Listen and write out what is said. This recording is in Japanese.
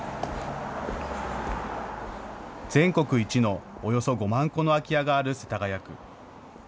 全国一のおよそ５万戸の空き家がある世田谷区。